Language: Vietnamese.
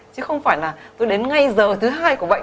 chứ không phải là tôi đến ngay giờ thứ hai của bệnh